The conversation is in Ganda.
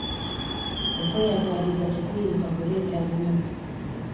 Okweyagaliza tekuyinza kuleeta bumu.